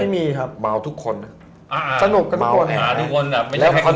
เมาทุกคนสนุกกันทุกคน